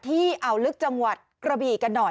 อ่าวลึกจังหวัดกระบีกันหน่อย